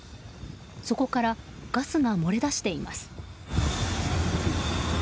そこからガスが漏れ出しています。